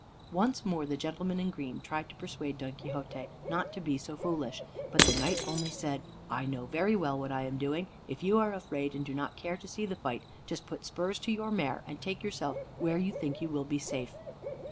Once more the gentleman in green tried to persuade Don Quixote not to be so foolish, but the Knight only said, "I know very well what I am doing. If you are afraid, and do not care to see the fight, just put spurs to your mare and take yourself where you think you will be safe."